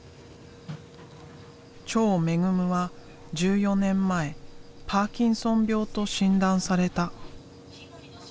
長恵は１４年前パーキンソン病と診断された。